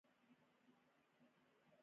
عبادت نيک عمل نيک خوي او اخلاق